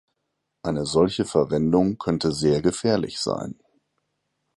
Eine solche Verwendung könnte sehr gefährlich sein.